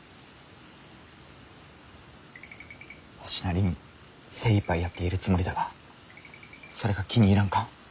わしなりに精いっぱいやっているつもりだがそれが気に入らんか。